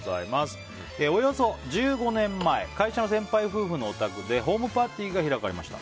およそ１５年前会社の先輩夫婦のお宅でホームパーティーが開かれました。